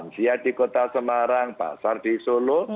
dia di kota semarang pasar di solo